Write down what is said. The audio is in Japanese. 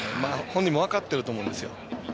本人も分かってると思うんですよ。